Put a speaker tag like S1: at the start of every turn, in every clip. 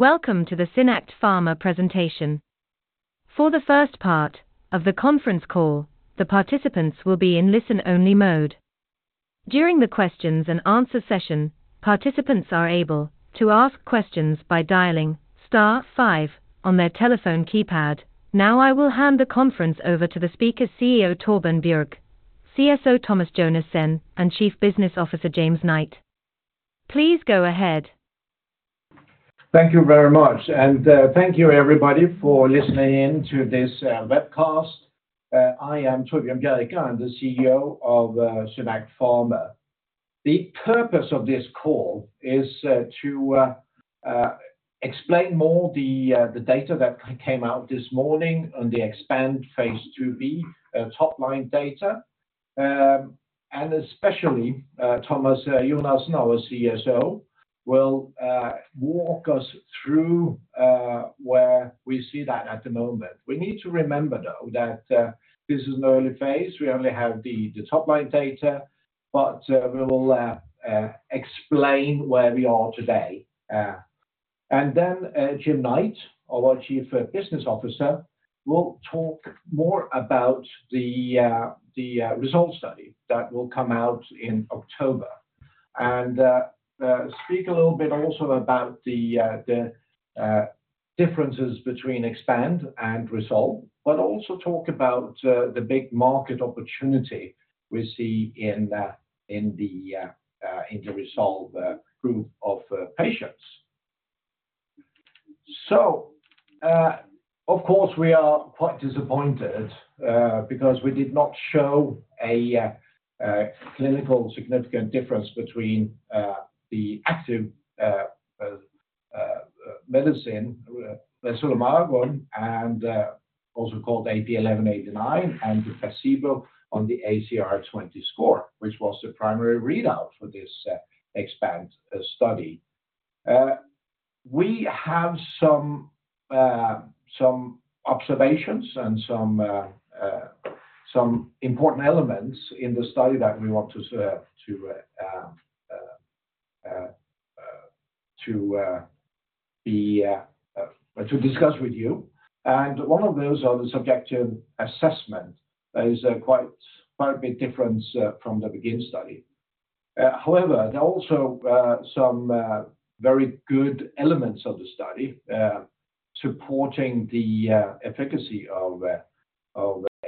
S1: Welcome to the SynAct Pharma Presentation. For the first part of the conference call, the participants will be in listen-only mode. During the questions and answer session, participants are able to ask questions by dialing star five on their telephone keypad. Now, I will hand the conference over to the speaker, CEO Torbjørn Bjerke, CSO Thomas Jonassen, and Chief Business Officer James Knight. Please go ahead.
S2: Thank you very much, and thank you everybody for listening in to this webcast. I am Torbjørn Bjerke, I'm the CEO of SynAct Pharma. The purpose of this call is to explain more the data that came out this morning on the EXPAND phase II-b top-line data. And especially, Thomas Jonassen, our CSO, will walk us through where we see that at the moment. We need to remember, though, that this is an early phase. We only have the top-line data, but we will explain where we are today. And then, Jim Knight, our Chief Business Officer, will talk more about the RESOLVE study that will come out in October, and speak a little bit also about the differences between EXPAND and RESOLVE, but also talk about the big market opportunity we see in the RESOLVE group of patients. So, of course, we are quite disappointed, because we did not show a clinical significant difference between the active medicine, resomelagon, and also called AP1189, and the placebo on the ACR20 score, which was the primary readout for this EXPAND study. We have some observations and some important elements in the study that we want to discuss with you. One of those are the subjective assessment. There is quite a big difference from the BEGIN study. However, there are also some very good elements of the study supporting the efficacy of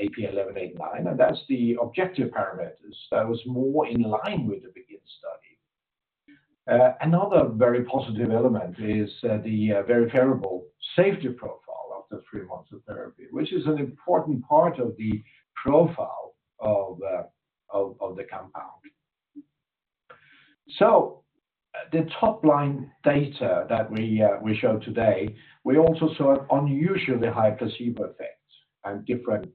S2: AP1189, and that's the objective parameters that was more in line with the BEGIN study. Another very positive element is the very favorable safety profile after three months of therapy, which is an important part of the profile of the compound. So the top-line data that we show today, we also saw an unusually high placebo effect and different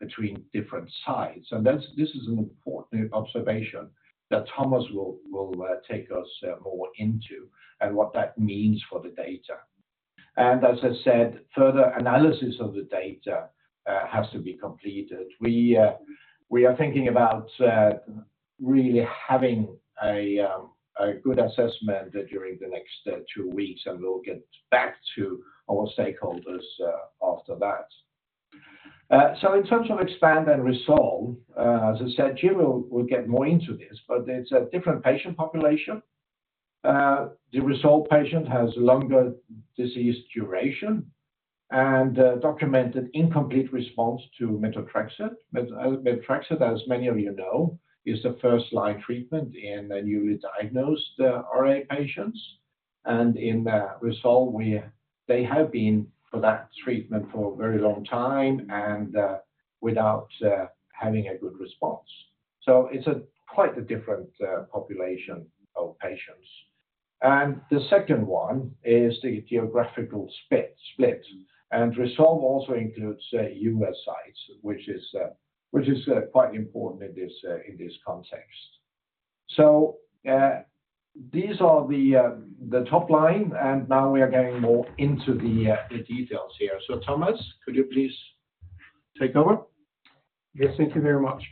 S2: between different sites. This is an important observation that Thomas will take us more into and what that means for the data. And as I said, further analysis of the data has to be completed. We are thinking about really having a good assessment during the next two weeks, and we'll get back to our stakeholders after that. So in terms of EXPAND and RESOLVE, as I said, Jim will get more into this, but it's a different patient population. The RESOLVE patient has longer disease duration and documented incomplete response to methotrexate. methotrexate, as many of you know, is the first-line treatment in a newly diagnosed RA patients, and in the RESOLVE, where they have been for that treatment for a very long time and without having a good response. So it's a quite a different population of patients. And the second one is the geographical split, and RESOLVE also includes U.S. sites, which is quite important in this context. So, these are the top line, and now we are getting more into the details here. So, Thomas, could you please take over?
S3: Yes, thank you very much.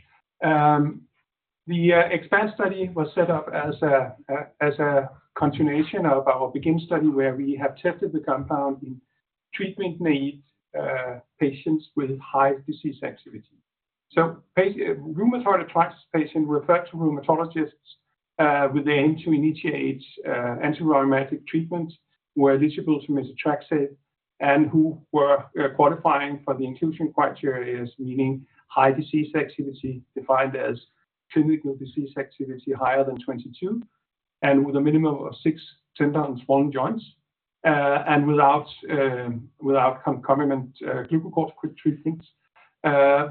S3: The EXPAND study was set up as a continuation of our BEGIN study, where we have tested the compound in treatment-naïve patients with high disease activity. So rheumatoid arthritis patients referred to rheumatologists with the aim to initiate anti-rheumatic treatment were eligible to methotrexate, and who were qualifying for the inclusion criteria, meaning high disease activity, defined as clinical disease activity higher than 22, and with a minimum of six tender and swollen joints, and without concomitant glucocorticoid treatments,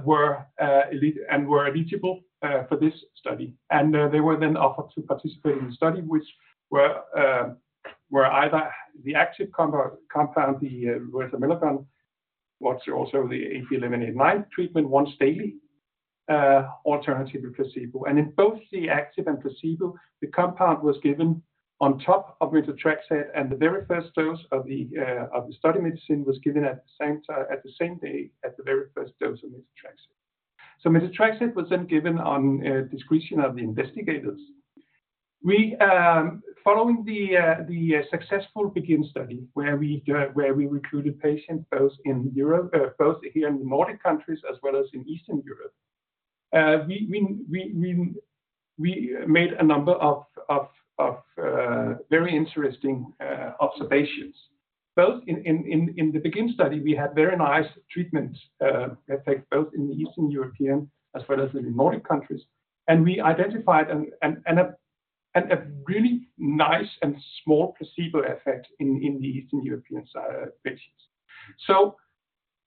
S3: were eligible for this study. And they were then offered to participate in the study, which were either the active compound, the resomelagon, what's also the AP1189 treatment, once daily, alternatively, placebo. In both the active and placebo, the compound was given on top of methotrexate, and the very first dose of the study medicine was given at the same day as the very first dose of methotrexate. So methotrexate was then given on discretion of the investigators. Following the successful BEGIN study, where we recruited patients both in Europe, both here in the Nordic countries as well as in Eastern Europe, we made a number of very interesting observations. Both in the BEGIN study, we had very nice treatment effect, both in the Eastern European as well as in the Nordic countries. We identified a really nice and small placebo effect in the Eastern European sites, patients. So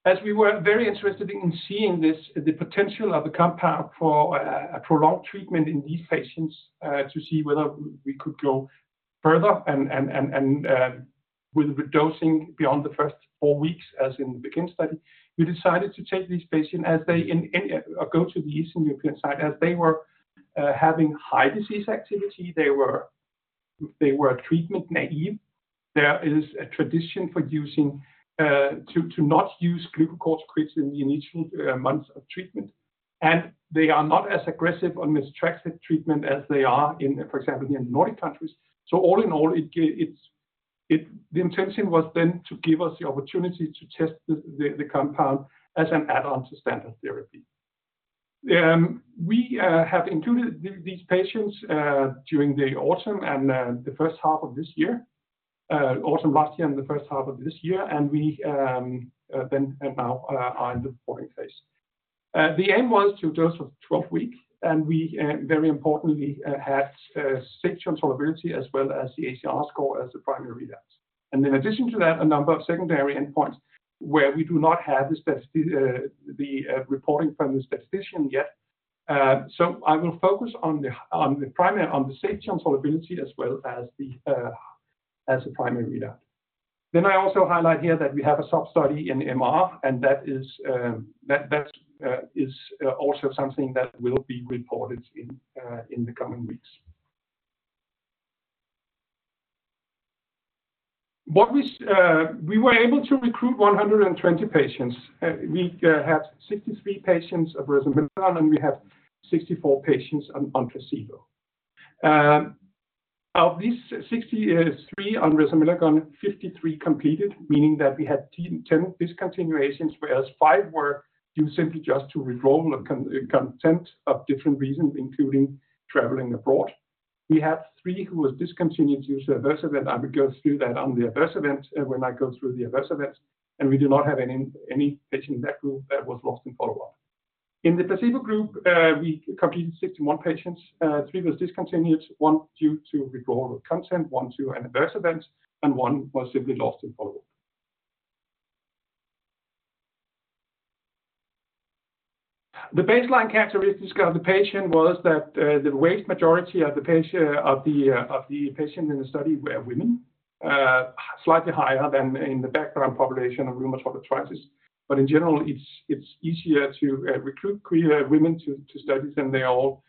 S3: as we were very interested in seeing the potential of the compound for a prolonged treatment in these patients, to see whether we could go further and with dosing beyond the first four weeks, as in the BEGIN study, we decided to take these patients as they go to the Eastern European sites. As they were having high disease activity, they were treatment-naive. There is a tradition to not use glucocorticoids in the initial months of treatment, and they are not as aggressive on methotrexate treatment as they are, for example, in the Nordic countries. So all in all, the intention was then to give us the opportunity to test the compound as an add-on to standard therapy. We have included these patients during the autumn last year and the first half of this year, and now we are in the reporting phase. The aim was to dose for 12 weeks, and very importantly, we had safe tolerability as well as the ACR score as the primary readout. And in addition to that, a number of secondary endpoints where we do not have the reporting from the statistician yet. So I will focus on the primary, on the safety and tolerability, as well as the primary readout. Then I also highlight here that we have a sub-study in MR, and that is also something that will be reported in the coming weeks. What we were able to recruit 120 patients. We had 63 patients of resomelagon, and we had 64 patients on placebo. Of these 63 on resomelagon, 53 completed, meaning that we had 10 discontinuations, whereas five were due simply just to withdrawal of consent of different reasons, including traveling abroad. We had three who was discontinued due to adverse event. I will go through that on the adverse event, when I go through the adverse events, and we do not have any patient in that group that was lost in follow-up. In the placebo group, we completed 61 patients. Three was discontinued, one due to withdrawal of consent, 1 due to an adverse event, and one was simply lost in follow-up. The baseline characteristics of the patient was that, the vast majority of the patients in the study were women, slightly higher than in the background population of rheumatoid arthritis. But in general, it's easier to recruit women to studies, and they also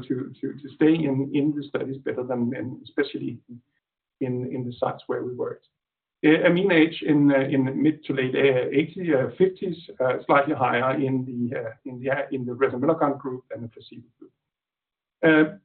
S3: to stay in the studies better than men, especially in the sites where we worked. A mean age in mid to late 80s, 50s, slightly higher in the resomelagon group than the placebo group.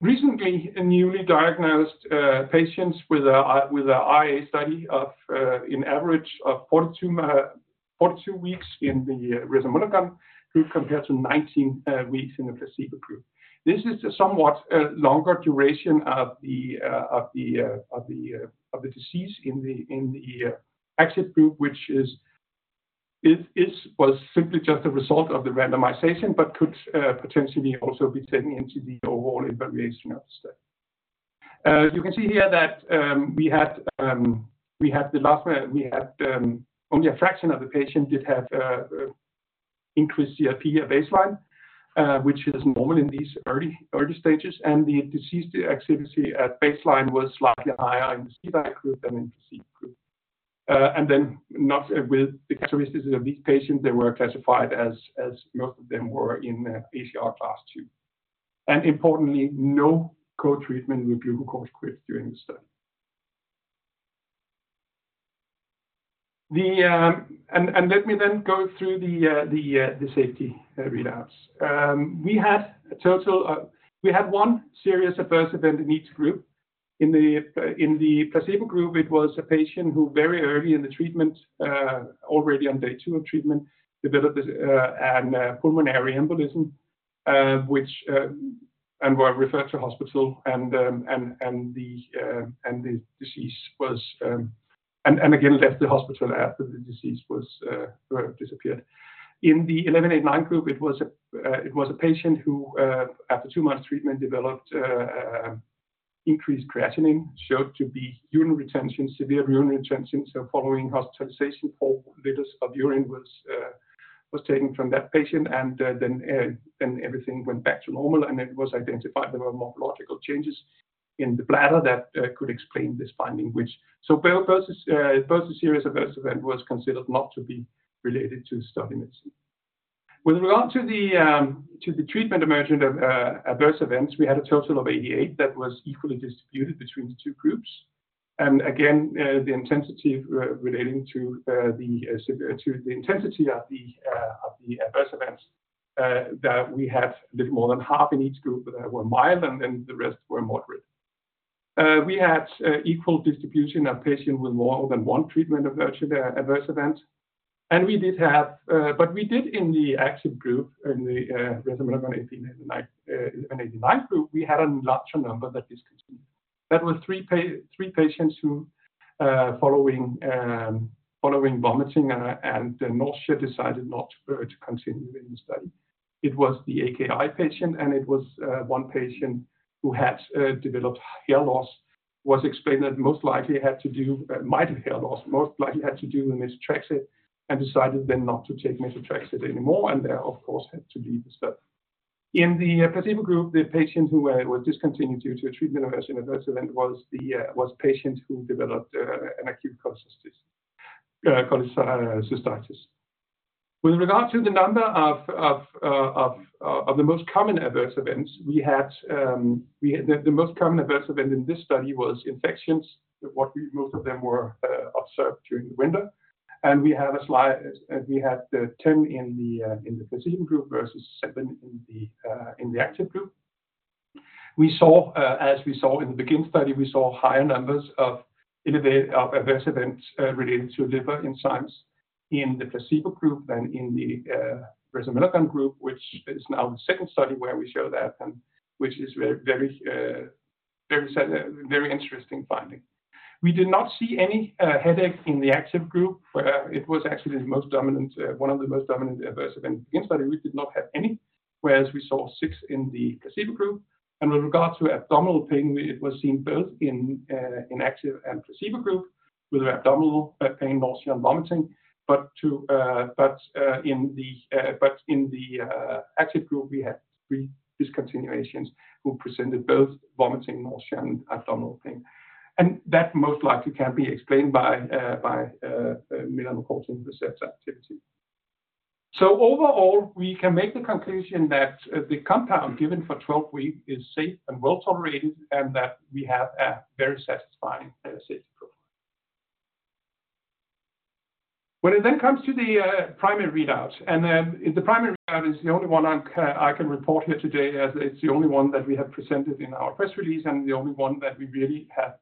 S3: Recently newly diagnosed patients with RA. Study of an average of 42 weeks in the resomelagon group, compared to 19 weeks in the placebo group. This is a somewhat longer duration of the disease in the active group, which was simply just a result of the randomization, but could potentially also be taken into the overall evaluation of the study. You can see here that we had the last- We had only a fraction of the patients did have increased CRP at baseline, which is normal in these early stages, and the disease activity at baseline was slightly higher in the resomelagon group than in placebo group. And then with the characteristics of these patients, they were classified as most of them were in ACR class two. Importantly, no co-treatment with glucocorticoids during the study. And let me then go through the safety readouts. We had one serious adverse event in each group. In the placebo group, it was a patient who very early in the treatment, already on day two of treatment, developed a pulmonary embolism, which and was referred to hospital and, and the disease was. And again, left the hospital after the disease was disappeared. In the 1189 group, it was a patient who after two months of treatment, developed an increased creatinine, showed to be urine retention, severe urine retention. So following hospitalization, 4 L of urine was taken from that patient, and then everything went back to normal, and it was identified there were morphological changes in the bladder that could explain this finding, which- So both versus both the serious adverse event was considered not to be related to study medicine. With regard to the treatment-emergent adverse events, we had a total of 88, that was equally distributed between the two groups. And again, the intensity relating to the intensity of the adverse events, that we had a little more than half in each group that were mild, and then the rest were moderate. We had equal distribution of patients with more than one treatment-emergent adverse events. We did have, but we did in the active group, in the resomelagon AP1189 group, we had a larger number that discontinued. That was three patients who, following vomiting and nausea, decided not to continue in the study. It was the AKI patient, and it was one patient who had developed hair loss, was explained that most likely had to do-mild hair loss, most likely had to do with methotrexate and decided then not to take methotrexate anymore, and they, of course, had to leave the study. In the placebo group, the patient who was discontinued due to a treatment adverse, an adverse event, was the patient who developed an acute cholecystitis. With regard to the number of the most common adverse events, we had. The most common adverse event in this study was infections, but what we most of them were observed during the winter. And we have a slide, we had 10 in the placebo group versus seven in the active group. We saw, as we saw in the beginning study, we saw higher numbers of elevated adverse events related to liver enzymes in the placebo group than in the resomelagon group, which is now the second study where we show that, and which is very, very interesting finding. We did not see any headache in the active group, where it was actually the most dominant one of the most dominant adverse event in the study. We did not have any, whereas we saw six in the placebo group. And with regard to abdominal pain, it was seen both in active and placebo group, with abdominal pain, nausea, and vomiting. But in the active group, we had three discontinuations who presented both vomiting, nausea, and abdominal pain. And that most likely can be explained by mineralocorticoid receptor activity. So overall, we can make the conclusion that the compound given for 12 week is safe and well-tolerated, and that we have a very satisfying safety profile. When it then comes to the primary readout, and then the primary readout is the only one I can report here today, as it's the only one that we have presented in our press release, and the only one that we really have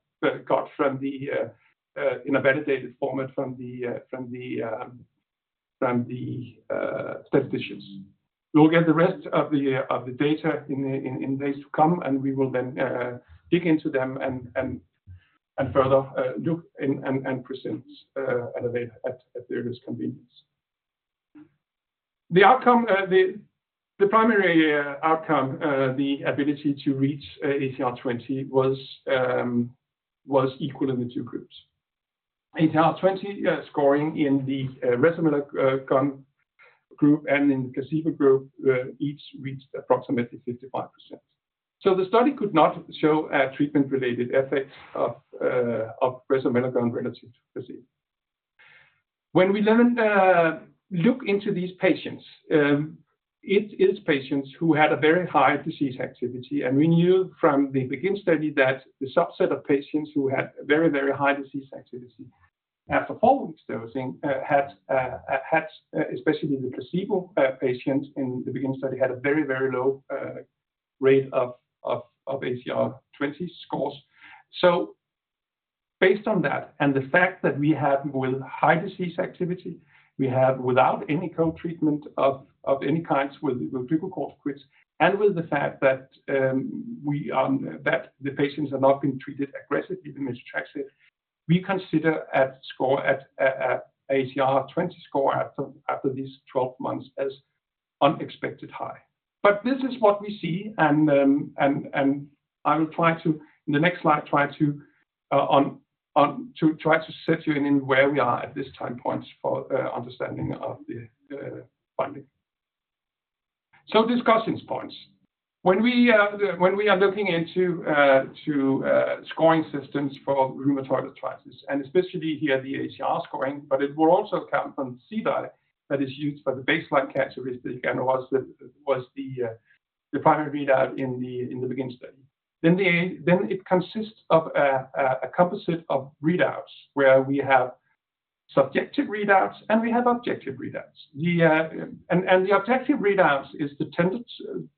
S3: got in a validated format from the statisticians. We'll get the rest of the data in days to come, and we will then dig into them and further look and present at a later various convenience. The primary outcome, the ability to reach ACR20 was equal in the two groups. ACR20 scoring in the resomelagon group and in the placebo group each reached approximately 55%. So the study could not show a treatment-related effect of resomelagon relative to placebo. When we then look into these patients, it is patients who had a very high disease activity, and we knew from the beginning study that the subset of patients who had very, very high disease activity, after full dosing, had had, especially the placebo patients in the beginning study, had a very, very low rate of ACR20 scores. So based on that, and the fact that we have with high disease activity, we have without any co-treatment of any kinds with glucocorticoids, and with the fact that the patients have not been treated aggressively with methotrexate, we consider a score at ACR20 score after these 12 months as unexpected high. But this is what we see, and I will try to, in the next slide, try to set you in where we are at this time points for understanding of the finding. So discussion points. When we are looking into scoring systems for rheumatoid arthritis, and especially here, the ACR scoring, but it will also come from CDAI, that is used for the baseline characteristic, and was the primary readout in the beginning study. Then it consists of a composite of readouts, where we have subjective readouts, and we have objective readouts. The objective readouts is the tender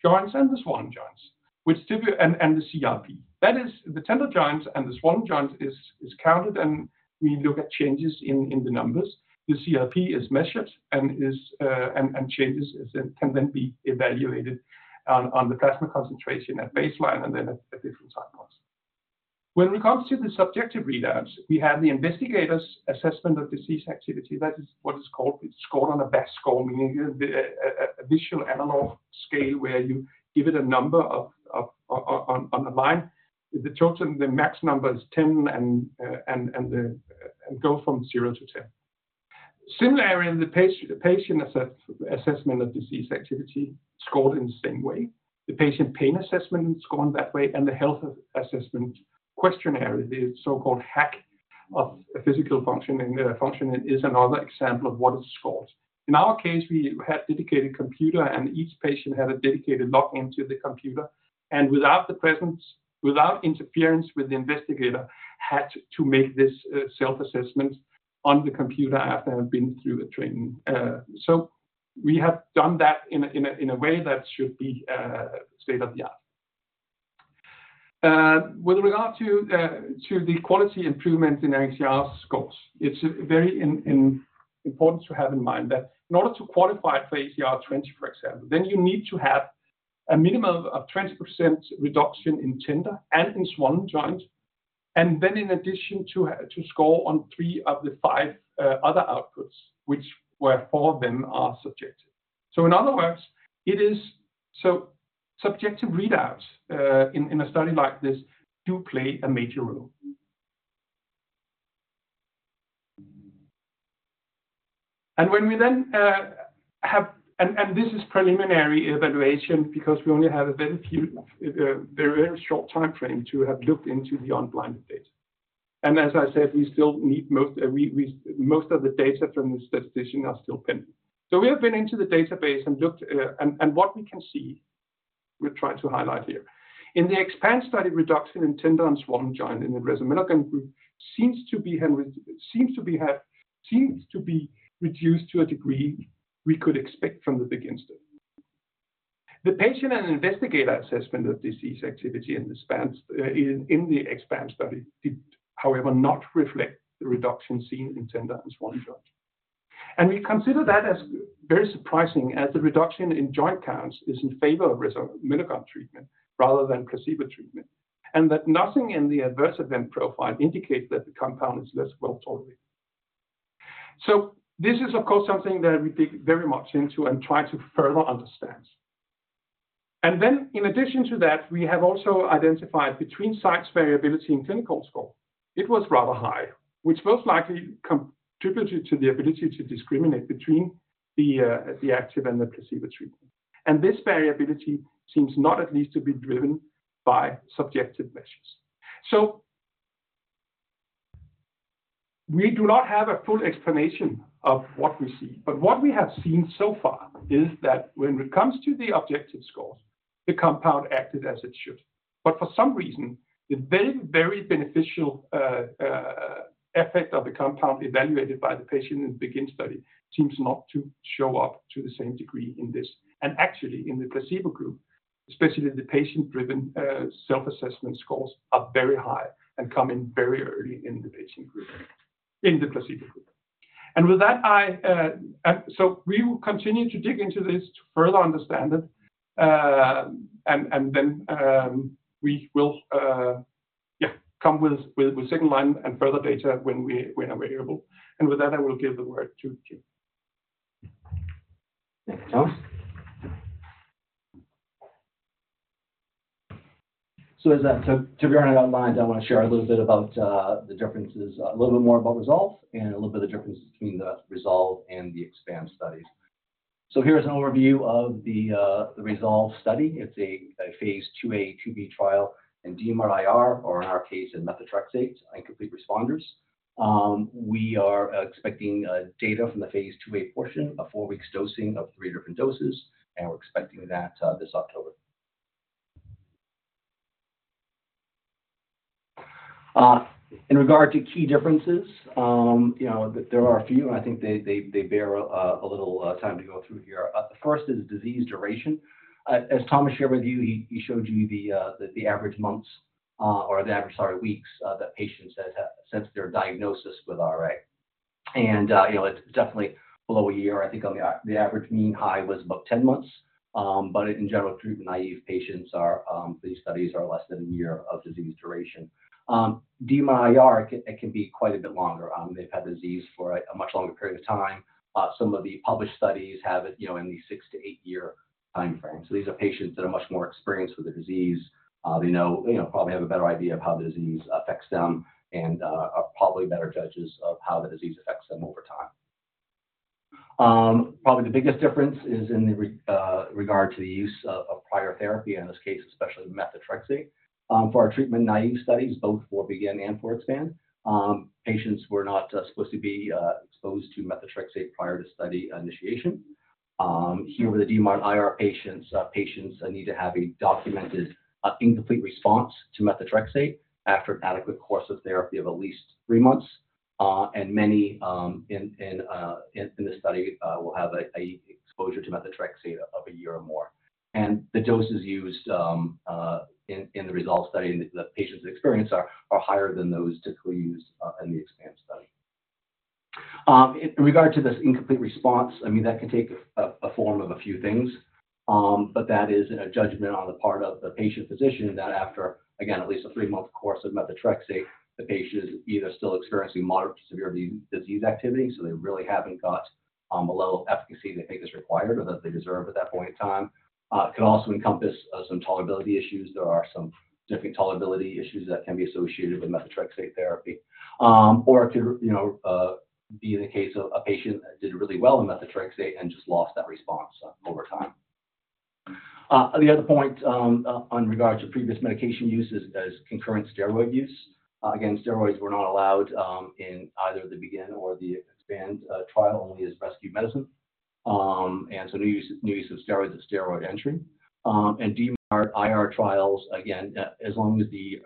S3: joints and the swollen joints, and the CRP. That is, the tender joints and the swollen joints is counted, and we look at changes in the numbers. The CRP is measured and changes as it can then be evaluated on the plasma concentration at baseline and then at different time points. When it comes to the subjective readouts, we have the investigator's assessment of disease activity. That is what is called, it's scored on a VAS score, meaning a visual analog scale, where you give it a number on a line. The total, the max number is 10, and go from zero to 10. Similarly, the patient assessment of disease activity scored in the same way. The patient pain assessment is scored that way, and the Health Assessment Questionnaire, the so-called HAQ of physical functioning is another example of what is scored. In our case, we had a dedicated computer, and each patient had a dedicated login to the computer, and without the presence, without interference with the investigator, had to make this self-assessment on the computer after they have been through the training. So we have done that in a way that should be state-of-the-art. With regard to the quality improvement in ACR scores, it's very important to have in mind that in order to qualify for ACR20, for example, then you need to have a minimum of 20% reduction in tender and in swollen joints, and then in addition to score on three of the five other outputs, which where four of them are subjective. So in other words, it is so subjective readouts in a study like this do play a major role. And when we then have and this is preliminary evaluation because we only have a very few very short time frame to have looked into the unblinded data. And as I said, we still need most of the data from the statistician are still pending. So we have been into the database and looked and what we can see, we're trying to highlight here. In the EXPAND study, reduction in tender and swollen joint in the resomelagon group seems to be reduced to a degree we could expect from the BEGIN study. The patient and investigator assessment of disease activity in the EXPAND study did, however, not reflect the reduction seen in tender and swollen joints. And we consider that as very surprising, as the reduction in joint counts is in favor of resomelagon treatment rather than placebo treatment, and that nothing in the adverse event profile indicates that the compound is less well-tolerated. So this is, of course, something that we dig very much into and try to further understand. And then in addition to that, we have also identified between-site variability in clinical score. It was rather high, which most likely contributed to the ability to discriminate between the active and the placebo treatment. And this variability seems, not least, to be driven by subjective measures. So we do not have a full explanation of what we see, but what we have seen so far is that when it comes to the objective scores, the compound acted as it should. But for some reason, the very, very beneficial effect of the compound evaluated by the patient in BEGIN study seems not to show up to the same degree in this. Actually, in the placebo group, especially the patient-driven self-assessment scores are very high and come in very early in the patient group, in the placebo group. And with that, so we will continue to dig into this to further understand it. And then we will come with second line and further data when we are able. And with that, I will give the word to Jim.
S4: Thank you, Thomas. So as I to run it online, I want to share a little bit about the differences, a little bit more about RESOLVE and a little bit of difference between the RESOLVE and the EXPAND studies. So here is an overview of the RESOLVE study. It's a phase II-A, II-B trial in DMARD-IR, or in our case, in methotrexate inadequate responders. We are expecting data from the phase II-A portion, a four week dosing of three different doses, and we're expecting that this October. In regard to key differences, you know, there are a few, and I think they bear a little time to go through here. The first is disease duration. As Thomas shared with you, he showed you the average months, or the average, sorry, weeks, that patients has had since their diagnosis with RA. You know, it's definitely below a year. I think on the average mean high was about 10 months. But in general, treatment-naive patients are these studies are less than a year of disease duration. DMARD-IR can be quite a bit longer. They've had disease for a much longer period of time. Some of the published studies have it, you know, in the six to eight year time frame. So these are patients that are much more experienced with the disease. They know- you know, probably have a better idea of how the disease affects them and are probably better judges of how the disease affects them over time. Probably the biggest difference is in regard to the use of prior therapy, in this case, especially methotrexate. For our treatment-naive studies, both for BEGIN and for EXPAND, patients were not supposed to be exposed to methotrexate prior to study initiation. Here with the DMARD-IR patients, patients need to have a documented incomplete response to methotrexate after an adequate course of therapy of at least three months, and many in the study will have an exposure to methotrexate of a year or more. The doses used in the RESOLVE study, and the patients experience are higher than those typically used in the EXPAND study. In regard to this incomplete response, I mean, that can take a form of a few things, but that is a judgment on the part of the patient physician that after, again, at least a three-month course of methotrexate, the patient is either still experiencing moderate to severe disease activity, so they really haven't got a level of efficacy they think is required or that they deserve at that point in time. It could also encompass some tolerability issues. There are some different tolerability issues that can be associated with methotrexate therapy. Or it could, you know, be in the case of a patient that did really well in methotrexate and just lost that response over time. The other point on regards to previous medication use is concurrent steroid use. Again, steroids were not allowed in either the begin or the EXPAND trial, only as rescue medicine. And so new use of steroids at study entry. And DMARD-IR trials, again, as long as the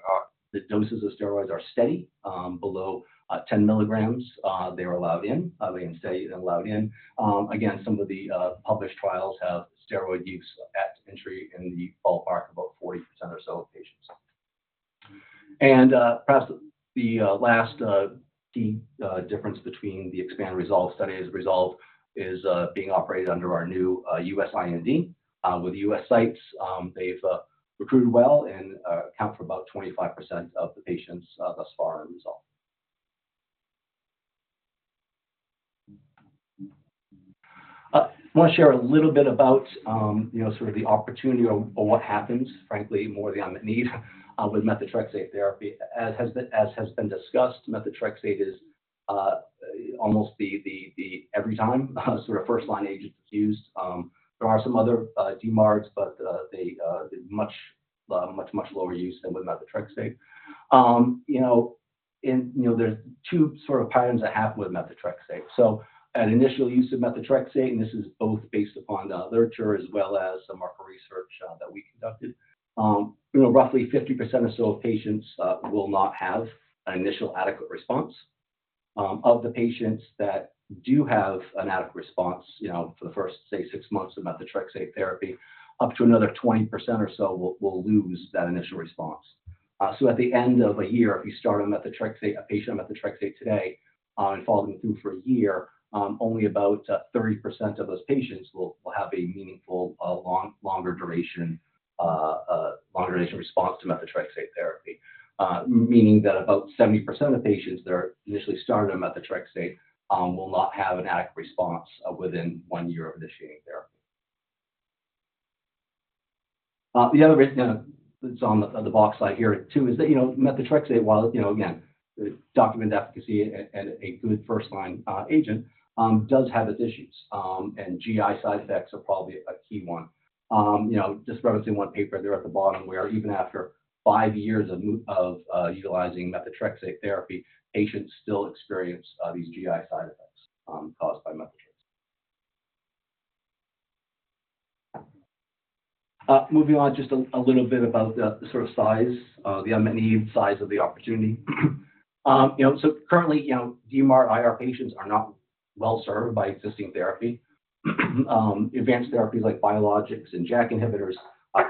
S4: doses of steroids are steady below 10 mg, they are allowed in. They can stay and allowed in. Again, some of the published trials have steroid use at entry in the ballpark of about 40% or so of patients. Perhaps the last key difference between the EXPAND RESOLVE study is RESOLVE is being operated under our new U.S. IND. With the U.S. sites, they've recruited well and account for about 25% of the patients thus far in RESOLVE. I want to share a little bit about, you know, sort of the opportunity or what happens, frankly, more the unmet need with methotrexate therapy. As has been discussed, methotrexate is almost the every time, sort of first-line agent that's used. There are some other DMARDs, but they much much much lower use than with methotrexate. You know, and, you know, there's two sort of patterns that happen with methotrexate. So at initial use of methotrexate, and this is both based upon the literature as well as some market research that we conducted, you know, roughly 50% or so of patients will not have an initial adequate response. Of the patients that do have an adequate response, you know, for the first, say, six months of methotrexate therapy, up to another 20% or so will lose that initial response. So at the end of a year, if you start a patient on methotrexate today, and follow them through for a year, only about 30% of those patients will have a meaningful longer duration response to methotrexate therapy. Meaning that about 70% of patients that are initially started on methotrexate will not have an adequate response within one year of initiating therapy. The other reason that's on the box side here, too, is that, you know, methotrexate while, you know, again, document efficacy and a good first-line agent does have its issues. And GI side effects are probably a key one. You know, just referencing one paper there at the bottom, where even after five years of utilizing methotrexate therapy, patients still experience these GI side effects caused by methotrexate. Moving on just a little bit about the sort of size, the unmet need size of the opportunity. You know, so currently, you know, DMARD-IR patients are not well served by existing therapy. Advanced therapies like biologics and JAK inhibitors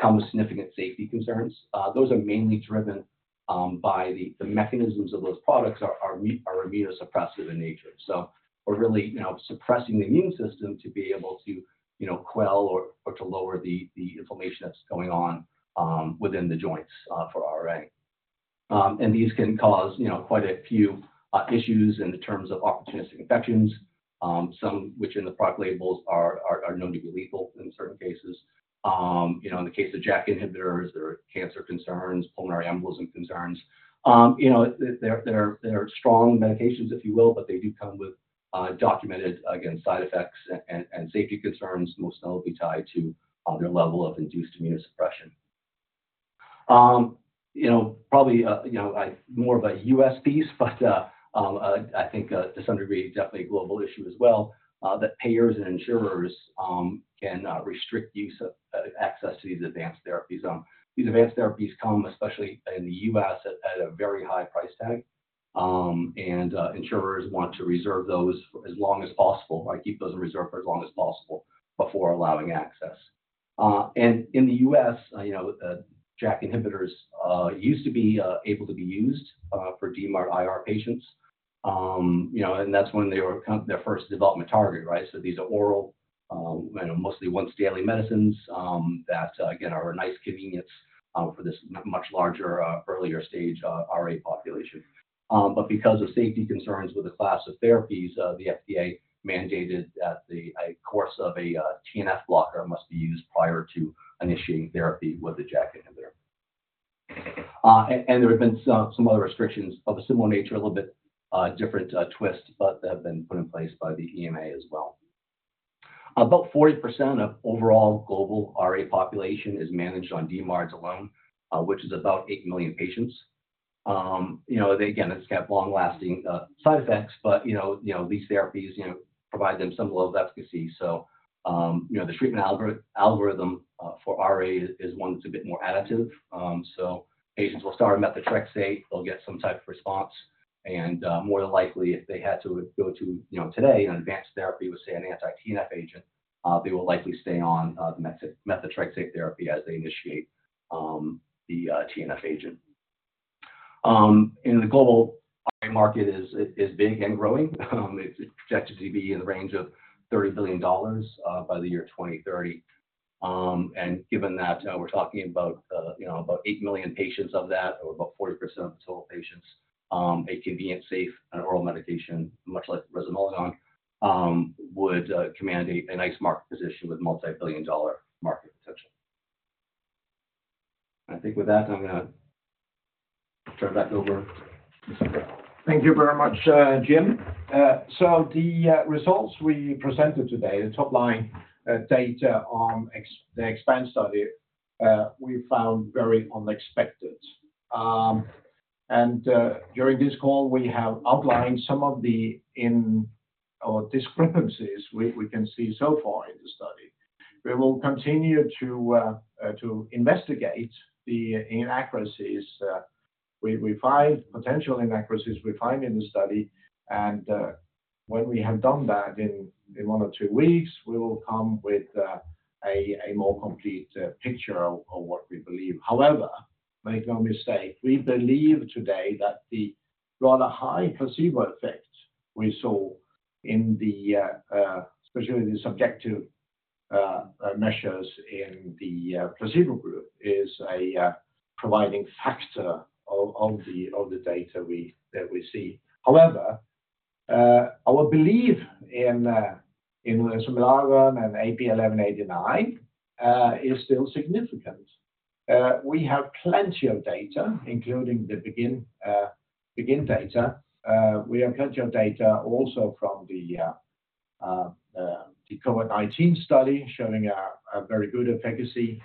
S4: come with significant safety concerns. Those are mainly driven by the mechanisms of those products are immunosuppressive in nature. So we're really, you know, suppressing the immune system to be able to, you know, quell or to lower the inflammation that's going on within the joints for RA. And these can cause, you know, quite a few issues in terms of opportunistic infections, some which in the product labels are known to be lethal in certain cases. You know, in the case of JAK inhibitors, there are cancer concerns, pulmonary embolism concerns. You know, they're strong medications, if you will, but they do come with documented, again, side effects and safety concerns, most notably tied to their level of induced immunosuppression. You know, probably, you know, more of a U.S. piece, but I think, to some degree, definitely a global issue as well, that payers and insurers can restrict use of access to these advanced therapies. These advanced therapies come, especially in the U.S., at a very high price tag. And insurers want to reserve those for as long as possible, right? Keep those in reserve for as long as possible before allowing access. And in the U.S., you know, JAK inhibitors used to be able to be used for DMARD-IR patients. You know, and that's when they were counting their first development target, right? So these are oral, and mostly once daily medicines, that, again, are a nice convenience, for this much larger, earlier stage, RA population. But because of safety concerns with the class of therapies, the FDA mandated that the, a course of a, TNF blocker must be used prior to initiating therapy with a JAK inhibitor. And, and there have been some, some other restrictions of a similar nature, a little bit, different, twist, but that have been put in place by the EMA as well. About 40% of overall global RA population is managed on DMARDs alone, which is about 8 million patients. You know, again, it's got long-lasting side effects, but you know, you know, these therapies, you know, provide them some level of efficacy. So, you know, the treatment algorithm for RA is one that's a bit more additive. So patients will start on methotrexate, they'll get some type of response, and more than likely, if they had to go to, you know, today, an advanced therapy, with say, an anti-TNF agent, they will likely stay on the methotrexate therapy as they initiate the TNF agent. And the global RA market is big and growing. It's projected to be in the range of $30 billion by the year 2030. Given that, we're talking about, you know, about 8 million patients of that, or about 40% of total patients, a convenient, safe, and oral medication, much like resomelagon, would command a nice market position with multi-billion-dollar market potential. I think with that, I'm going to turn back over to Torbjørn.
S2: Thank you very much, Jim. So the results we presented today, the top line data on the EXPAND study, we found very unexpected. During this call, we have outlined some of the errors or discrepancies we can see so far in the study. We will continue to investigate the inaccuracies we find, potential inaccuracies we find in the study, and when we have done that in one or two weeks, we will come with a more complete picture of what we believe. However, make no mistake, we believe today that the rather high placebo effect we saw in the especially the subjective measures in the placebo group is a providing factor of the data that we see. However, our belief in resomelagon and AP1189 is still significant. We have plenty of data, including the BEGIN data. We have plenty of data also from the COVID-19 study, showing a very good efficacy.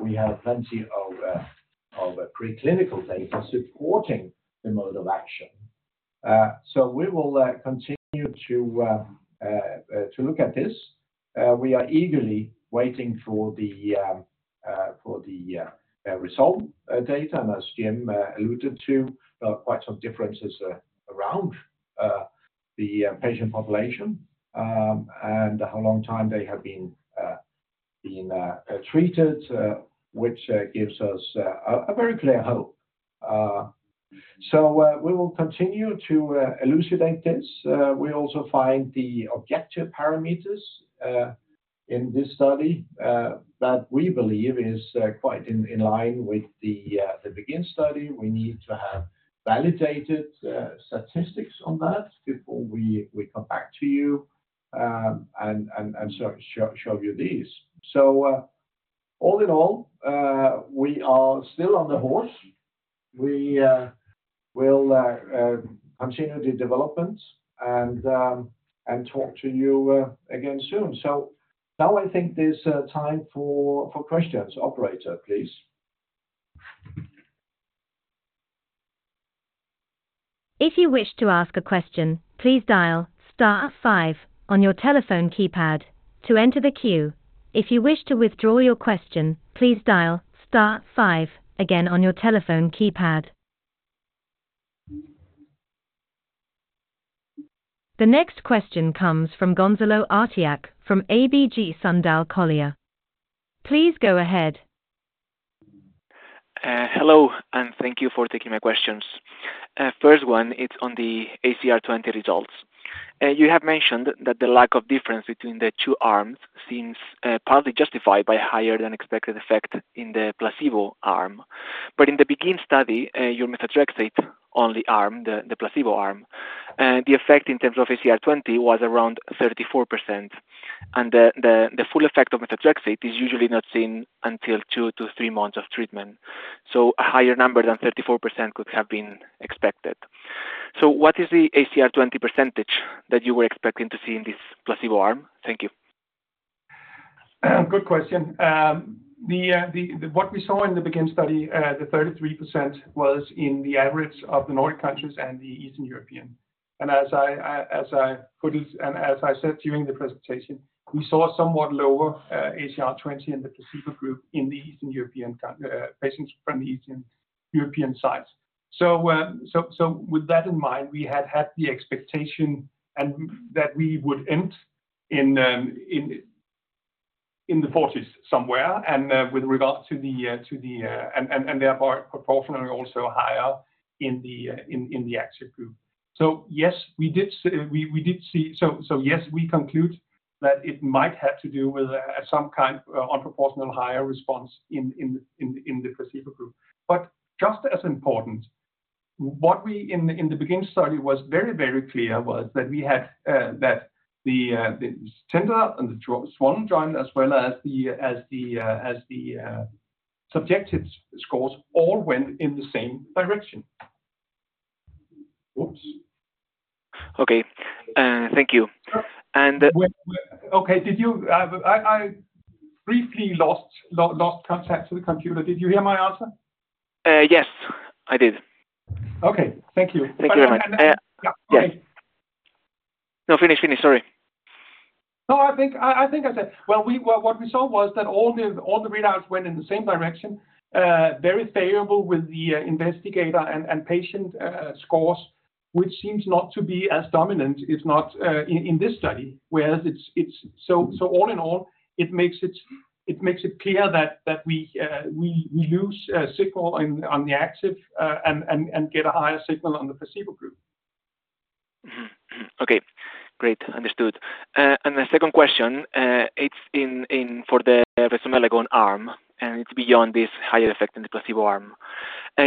S2: We have plenty of preclinical data supporting the mode of action. So we will continue to look at this. We are eagerly waiting for the result data, and as Jim alluded to, quite some differences around the patient population and how long time they have been treated, which gives us a very clear hope. So we will continue to elucidate this. We also find the objective parameters in this study that we believe is quite in line with the BEGIN study. We need to have validated statistics on that before we come back to you and show you these. So, all in all, we are still on the horse. We will continue the development and talk to you again soon. So now I think there's time for questions. Operator, please.
S1: If you wish to ask a question, please dial star five on your telephone keypad to enter the queue. If you wish to withdraw your question, please dial star five again on your telephone keypad. The next question comes from Gonzalo Artiach from ABG Sundal Collier. Please go ahead.
S5: Hello, and thank you for taking my questions. First one, it's on the ACR20 results. You have mentioned that the lack of difference between the two arms seems partly justified by a higher than expected effect in the placebo arm. But in the BEGIN study, your methotrexate on the arm, the placebo arm, the effect in terms of ACR20 was around 34%, and the full effect of methotrexate is usually not seen until two to three months of treatment. So a higher number than 34% could have been expected. So what is the ACR20 percentage that you were expecting to see in this placebo arm? Thank you.
S2: Good question. What we saw in the BEGIN study, the 33%, was in the average of the Nordic countries and the Eastern European. And as I put it, and as I said during the presentation, we saw somewhat lower ACR20 in the placebo group, in the Eastern European count- patients from the Eastern European sites. So with that in mind, we had had the expectation and that we would end in the 40s somewhere, and with regards to the, to the- And therefore, proportionally also higher in the active group. So yes, we did see. So yes, we conclude that it might have to do with some kind of disproportional higher response in the placebo group. But just as important, what, in the BEGIN study, was very, very clear was that we had the tender and the swollen joint, as well as the subjective scores, all went in the same direction. Oops!
S5: Okay, thank you. And-
S2: Okay. Did you-I briefly lost contact to the computer. Did you hear my answer?
S5: Yes, I did.
S2: Okay. Thank you.
S5: Thank you very much.
S2: Uh, yeah.
S5: No, finish, finish. Sorry.
S2: No, I think I said, well, what we saw was that all the readouts went in the same direction, very favorable with the investigator and patient scores, which seems not to be as dominant, if not, in this study. Whereas it's. So all in all, it makes it clear that we lose signal on the active and get a higher signal on the placebo group.
S5: Mm-hmm. Mm-hmm. Okay, great. Understood. And the second question, it's in for the resomelagon arm, and it's beyond this higher effect in the placebo arm.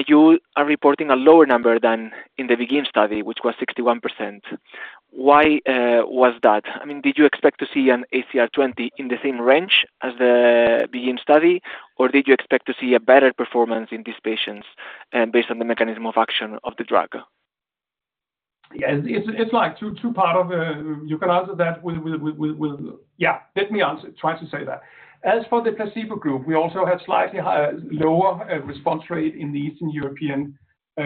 S5: You are reporting a lower number than in the BEGIN study, which was 61%. Why was that? I mean, did you expect to see an ACR20 in the same range as the BEGIN study, or did you expect to see a better performance in these patients, based on the mechanism of action of the drug?
S3: Yeah, it's like two, two part of, you can answer that with, with, with-Yeah, let me answer, try to say that. As for the placebo group, we also had slightly higher, lower response rate in the Eastern European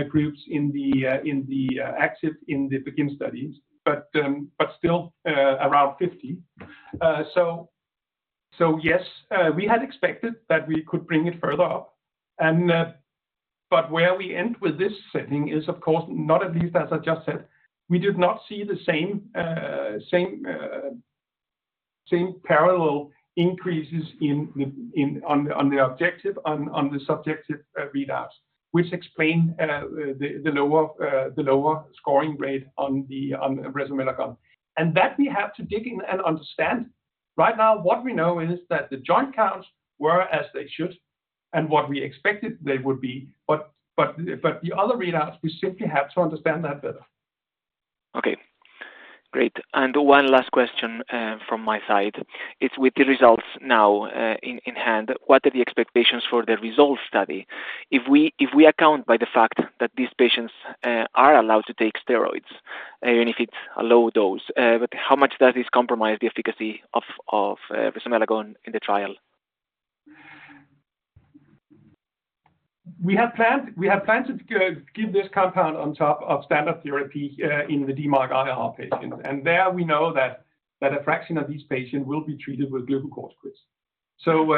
S3: groups in the active, in the begin studies, but, but still, around 50. So, yes, we had expected that we could bring it further up, and, but where we end with this setting is, of course, not at least, as I just said, we did not see the same, same, same parallel increases in the, on the, on the objective, on the subjective readouts, which explain the, the lower, the lower scoring rate on resomelagon. And that we have to dig in and understand. Right now, what we know is that the joint counts were as they should and what we expected they would be, but the other readouts, we simply have to understand that better.
S5: Okay, great. One last question from my side. It's with the results now in hand, what are the expectations for the RESOLVE study? If we account by the fact that these patients are allowed to take steroids, even if it's a low dose, but how much does this compromise the efficacy of resomelagon in the trial?
S3: We have planned to give this compound on top of standard therapy in the DMARD-IR patients. And there we know that a fraction of these patients will be treated with glucocorticoids. So,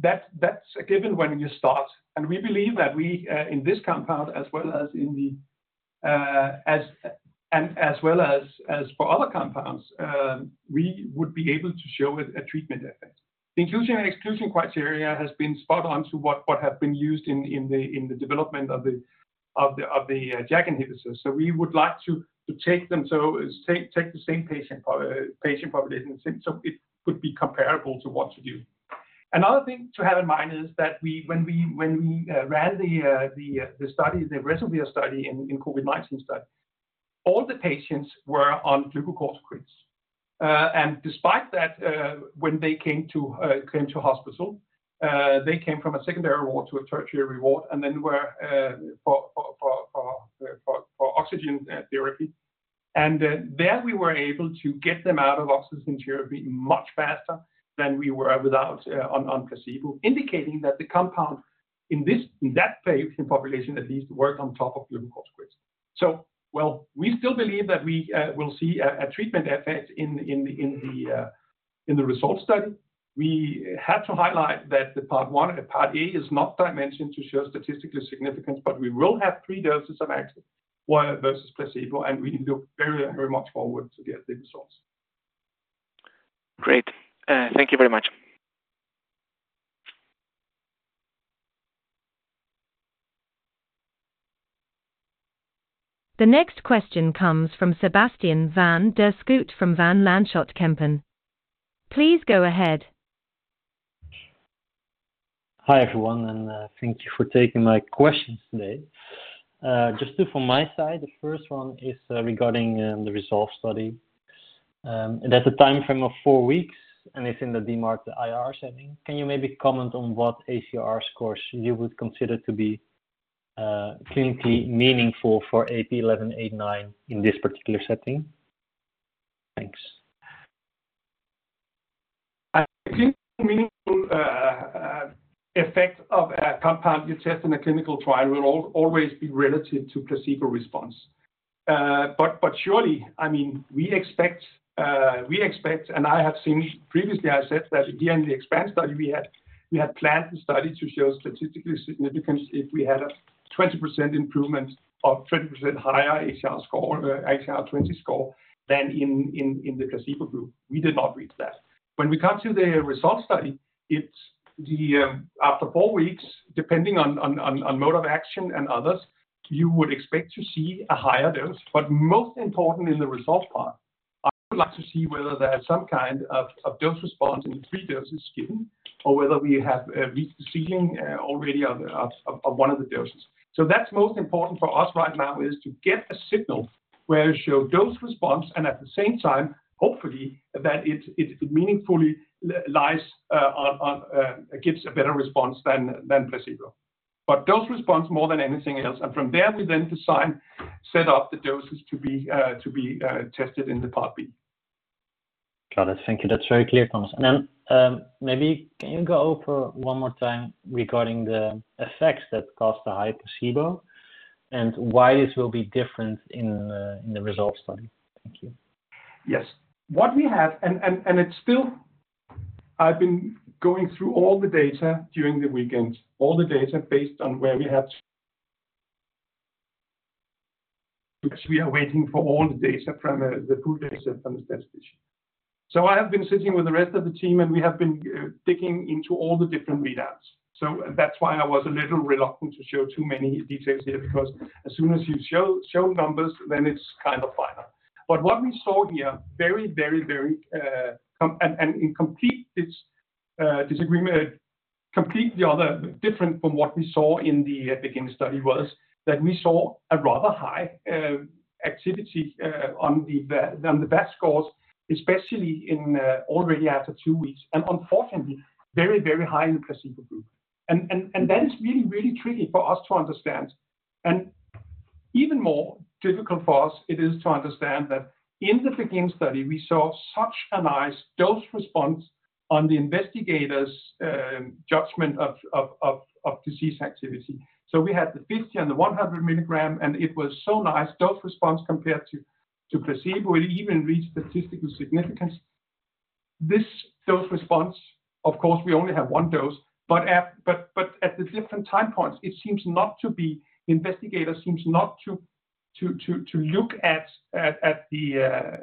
S3: that's a given when you start, and we believe that in this compound as well as for other compounds, we would be able to show a treatment effect. The inclusion and exclusion criteria has been spot on to what have been used in the development of the JAK inhibitors. So we would like to take the same patient population, so it could be comparable to what to do. Another thing to have in mind is that we ran the resomelagon study in COVID-19 study, all the patients were on glucocorticoids. And despite that, when they came to hospital, they came from a secondary ward to a tertiary ward, and then were for oxygen therapy. And there we were able to get them out of oxygen therapy much faster than we were without on placebo, indicating that the compound in this, in that patient population, at least, work on top of glucocorticoids. So well, we still believe that we will see a treatment effect in the RESOLVE study. We have to highlight that the part one, Part A is not dimensioned to show statistical significance, but we will have three doses of active, one versus placebo, and we look very, very much forward to get the results.
S5: Great. Thank you very much.
S1: The next question comes from Sebastiaan van der Schoot from Van Lanschot Kempen. Please go ahead.
S6: Hi, everyone, and thank you for taking my questions today. Just two from my side. The first one is regarding the RESOLVE study. There's a time frame of four weeks, and it's in the DMARD-IR setting. Can you maybe comment on what ACR scores you would consider to be clinically meaningful for AP1189 in this particular setting? Thanks.
S3: I think meaningful effect of a compound you test in a clinical trial will always be relative to placebo response. But surely, I mean, we expect, we expect, and I have seen previously, I said that at the end of the EXPAND study, we had planned the study to show statistical significance if we had a 20% improvement or 20% higher ACR score, ACR20 score than in the placebo group. We did not reach that. When we come to the RESOLVE study, it's the... After four weeks, depending on mode of action and others, you would expect to see a higher dose, but most important in the RESOLVE part, I would like to see whether there is some kind of dose response in the three doses given or whether we have reached the ceiling already of one of the doses. So that's most important for us right now, is to get a signal where it show dose response, and at the same time, hopefully, that it meaningfully gives a better response than placebo. But dose response more than anything else, and from there, we then decide, set up the doses to be tested in Part B.
S6: Got it. Thank you. That's very clear, Thomas. And then, maybe can you go over one more time regarding the effects that caused the high placebo, and why this will be different in the RESOLVE study? Thank you.
S3: Yes. What we have, and it's still. I've been going through all the data during the weekend, all the data based on where we have. Because we are waiting for all the data from the full data set from the statistician. So I have been sitting with the rest of the team, and we have been digging into all the different readouts. So that's why I was a little reluctant to show too many details here, because as soon as you show numbers, then it's kind of final. But what we saw here very, very, very, and in complete disagreement, completely different from what we saw in the BEGIN study was that we saw a rather high activity on the VAS scores, especially already after 2 weeks, and unfortunately, very, very high in the placebo group. And that is really, really tricky for us to understand. And even more difficult for us, it is to understand that in the BEGIN study, we saw such a nice dose response on the investigators' judgment of disease activity. So we had the 50 and the 100 mg, and it was so nice, dose response compared to placebo, it even reached statistical significance. This dose-response, of course, we only have one dose, but at the different time points, it seems not to be. Investigators seems not to look at the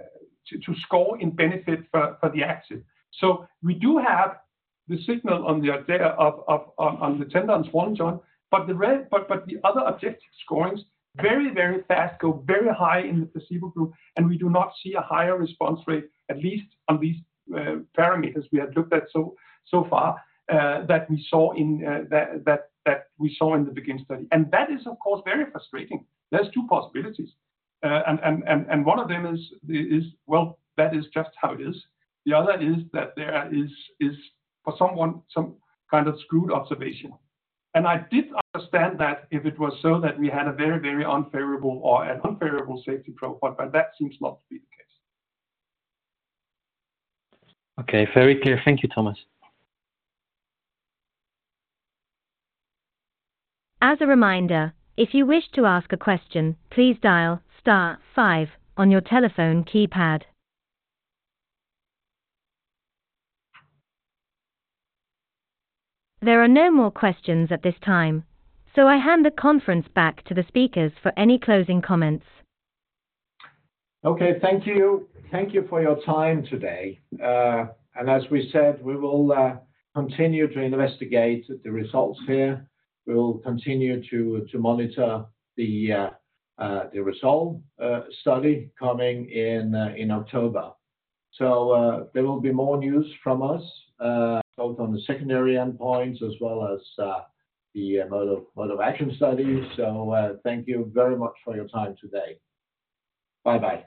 S3: score in benefit for the active. So we do have the signal on the tender and swollen joints, but the other objective scorings very, very fast go very high in the placebo group, and we do not see a higher response rate, at least on these parameters we have looked at so far that we saw in the BEGIN study. That is, of course, very frustrating. There's two possibilities. One of them is, well, that is just how it is. The other is that there is, for someone, some kind of skewed observation. I did understand that if it was so that we had a very, very unfavorable or an unfavorable safety profile, but that seems not to be the case.
S6: Okay, very clear. Thank you, Thomas.
S1: As a reminder, if you wish to ask a question, please dial star five on your telephone keypad. There are no more questions at this time, so I hand the conference back to the speakers for any closing comments.
S2: Okay, thank you. Thank you for your time today. And as we said, we will continue to investigate the results here. We will continue to monitor the RESOLVE study coming in October. So, there will be more news from us both on the secondary endpoints as well as the mode of action study. So, thank you very much for your time today. Bye-bye.